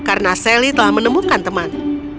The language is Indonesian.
karena sally telah menemukan teman